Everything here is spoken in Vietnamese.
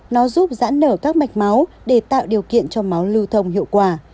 nó giúp giãn nở các mạch máu để tạo điều kiện cho máu lưu thông hiệu quả